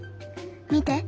見て。